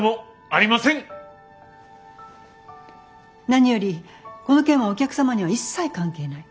何よりこの件はお客様には一切関係ない。